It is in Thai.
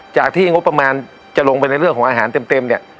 จากที่งบประมาณจะลงไปในเรื่องของอาหารเต็มเนี่ย